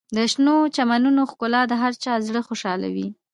د شنو چمنونو ښکلا د هر چا زړه خوشحالوي.